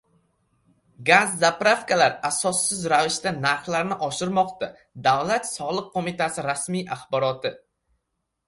Gaz «zapravka»lar asossiz ravishda narxlarni oshirmoqda. Davlat soliq qo‘mitasi rasmiy axboroti